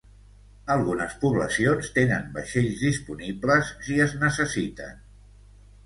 Algunes poblacions tenen vaixells disponibles si es necessiten.